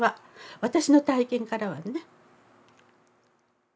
私の体験からはね。